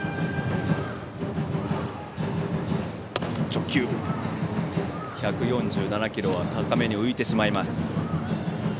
直球、１４７キロは高めに浮いてしまいました。